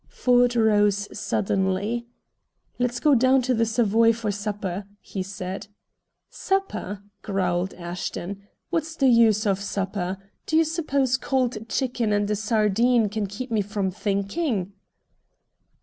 Ford rose suddenly. "Let's go down to the Savoy for supper," he said. "Supper!" growled Ashton. "What's the use of supper? Do you suppose cold chicken and a sardine can keep me from THINKING?"